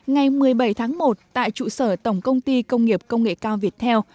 ngày một mươi bảy tháng một tại trụ sở tổng công ty công nghiệp công nghệ cao việt theo